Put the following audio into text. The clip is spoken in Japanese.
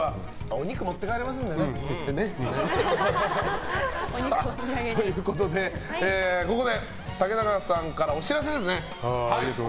お肉持って帰れますからね。ということでここで竹中さんからお知らせですね。